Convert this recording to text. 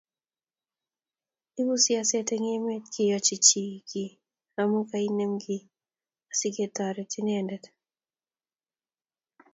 ibu siaset eng emet keyochi chii kiiy amu kainem kiy asigetore inendet